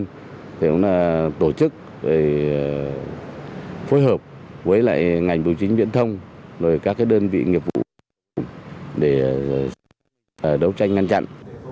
chúng tôi cũng tổ chức phối hợp với ngành vụ chính viễn thông các đơn vị nghiệp vụ để đấu tranh ngăn chặn